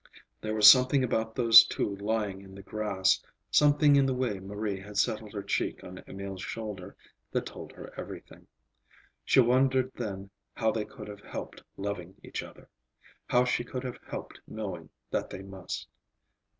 There was something about those two lying in the grass, something in the way Marie had settled her cheek on Emil's shoulder, that told her everything. She wondered then how they could have helped loving each other; how she could have helped knowing that they must.